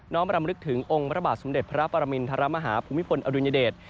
รำลึกถึงองค์พระบาทสมเด็จพระปรมินทรมาฮาภูมิพลอดุญเดช